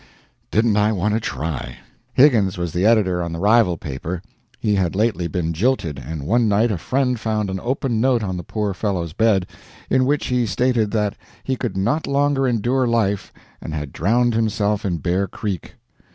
didn't I want to try! Higgins was the editor on the rival paper. He had lately been jilted, and one night a friend found an open note on the poor fellow's bed, in which he stated that he could not longer endure life and had drowned himself in Bear Creek.